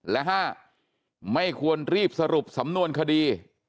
และ๕ไม่ควรรีบสรุปสำนวนคดี